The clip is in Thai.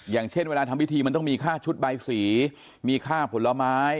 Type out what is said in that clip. อย่างเช่นเวลาทำพิธีมันต้องมีค่าชุดใบสีมีค่าผลไม้